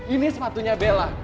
ini sepatunya bella